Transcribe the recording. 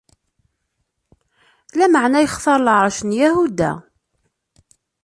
Lameɛna yextar lɛerc n Yahuda.